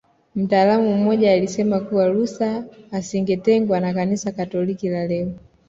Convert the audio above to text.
Mtaalamu mmoja alisema kuwa Luther asingetengwa na Kanisa Katoliki la leo